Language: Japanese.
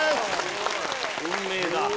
運命だ。